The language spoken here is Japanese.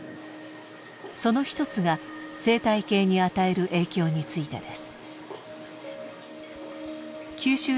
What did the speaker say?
その一つが生態系に与える影響についてです。